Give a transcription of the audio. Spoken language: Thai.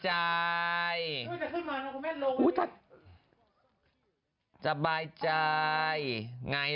เป็นสะบายใจ